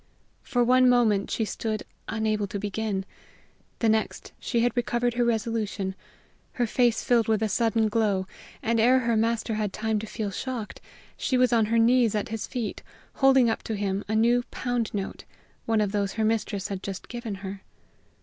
For one moment she stood unable to begin; the next she had recovered her resolution: her face filled with a sudden glow; and ere her master had time to feel shocked, she was on her knees at his feet, holding up to him a new pound note, one of those her mistress had just given her.